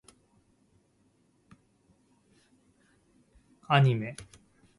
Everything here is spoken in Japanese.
アニメ